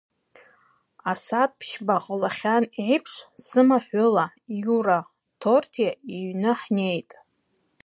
Асааҭ ԥшьба ҟалахьан еиԥш, сымаҳәыла Иура Ҭорҭиа иҩны ҳнеит.